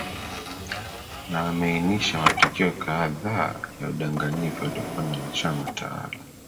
na wameinisha matukio kadhaa ya udanganyifu yaliofanywa na chama tawala